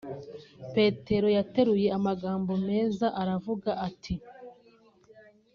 Petero yateruye amagambo meza aravuga ati